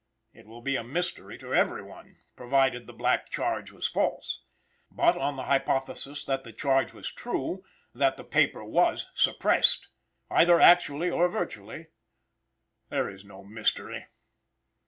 It will be a mystery to every one, provided the black charge was false. But, on the hypothesis that the charge was true, that the paper was suppressed, either actually or virtually, there is no mystery.